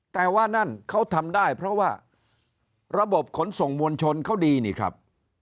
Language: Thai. แต่ว่านั่นเขาทำได้เพราะว่าระบบขนส่งมวลชนเขาดีนี่ครับ